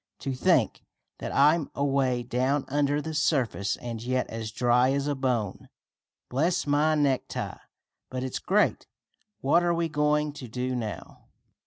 "To think that I'm away down under the surface, and yet as dry as a bone. Bless my necktie, but it's great! What are we going to do now?"